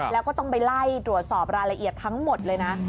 แล้วก็ต้องไปไล่ตรวจสอบรายละเอียดทั้งหมดเลยนะ